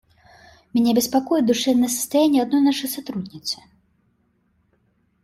Меня беспокоит душевное состояние одной нашей сотрудницы.